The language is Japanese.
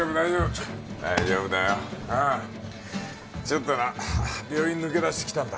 ちょっとな病院抜け出してきたんだ